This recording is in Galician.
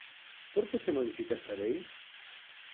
¿Por que se modifica esta lei?